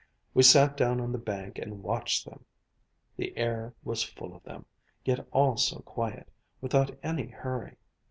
We sat down on the bank and watched them. The air was full of them, yet all so quiet, without any hurry.